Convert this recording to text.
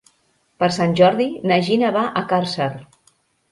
Per Sant Jordi na Gina va a Càrcer.